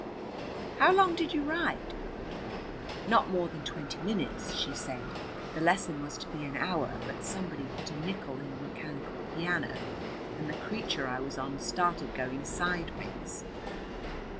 "How long did you ride?" "Not more than twenty minutes," she said. "The lesson was to be an hour, but somebody put a nickel in a mechanical piano, and the creature I was on started going sideways."